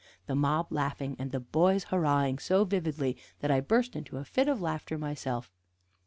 the mob laughing, and the boys hurrahing so vividly that I burst into a fit of laughter myself.